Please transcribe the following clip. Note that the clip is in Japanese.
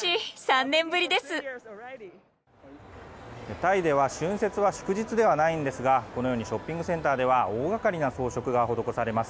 タイでは春節は祝日ではないんですがこのようにショッピングセンターでは大掛かりな装飾が施されます。